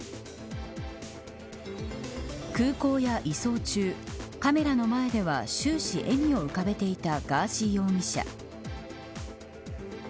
空港や移送中カメラの前では終始笑みを浮かべていたガーシー容疑者。